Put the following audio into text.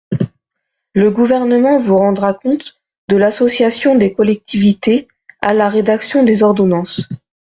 Le Gouvernement vous rendra compte de l’association des collectivités à la rédaction des ordonnances.